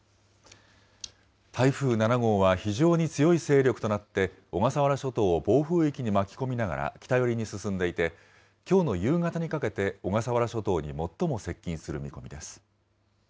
台風７号は非常に強い勢力となって小笠原諸島を暴風域に巻き込みながら北寄りに進んでいて、きょうの夕方にかけて小笠原諸島に最も接近する見込みです。